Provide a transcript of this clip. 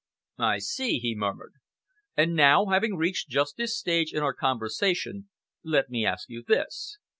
"I see," he murmured. "And now, having reached just this stage in our conversation, let me ask you this.